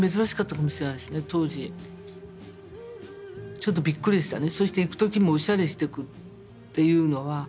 ちょっとびっくりでしたね。